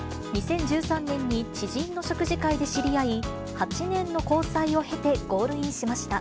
２０１３年に知人の食事会で知り合い、８年の交際を経て、ゴールインしました。